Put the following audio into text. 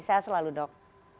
saya selalu dok